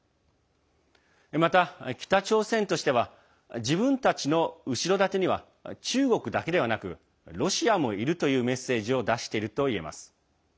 また、北朝鮮としては自分たちの後ろ盾には中国だけではなくロシアもいるというメッセージを出しているといえます。